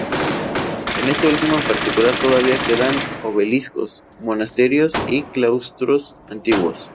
En este último en particular todavía quedan obeliscos, monasterios y claustros antiguos.